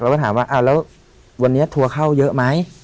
แล้วก็ถามว่าแล้ววันนี้ทัวร์เข้าเยอะไหม